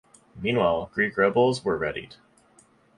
Meanwhile, Greek rebels were readied.